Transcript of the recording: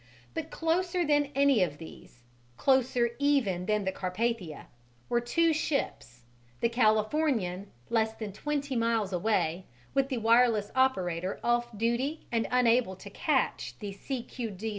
But closer than any of these closer even than the Carpathia were two ships: the Californian, less than twenty miles away, with the wireless operator off duty and unable to catch the "C.Q.D."